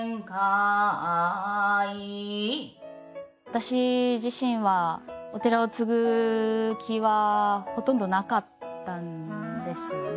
私自身はお寺を継ぐ気はほとんどなかったんですよね。